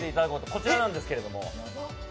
こちらなんですけど。